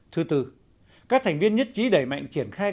thứ tư các thành viên nhất trí đẩy mạnh triển khai